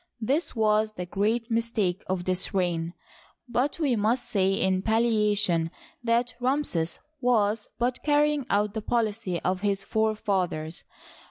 This was the great mistake of this reign ; but we must say in palliation that Ramses was but carrying out the policy of his forefathers.